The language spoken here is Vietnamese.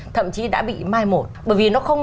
thậm chí đã bị mai một bởi vì nó không